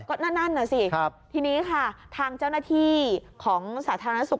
ก็นั่นน่ะสิทีนี้ค่ะทางเจ้าหน้าที่ของสาธารณสุข